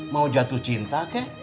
mau jatuh cinta kek